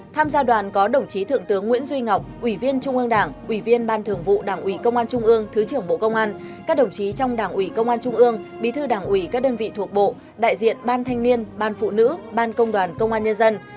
tham gia đoàn có đồng chí thượng tướng nguyễn duy ngọc ủy viên trung ương đảng ủy viên ban thường vụ đảng ủy công an trung ương thứ trưởng bộ công an các đồng chí trong đảng ủy công an trung ương bí thư đảng ủy các đơn vị thuộc bộ đại diện ban thanh niên ban phụ nữ ban công đoàn công an nhân dân